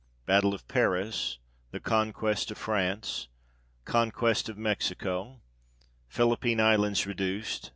Battle of Paris. The conquest of France. Conquest of Mexico. Philippine Islands reduced.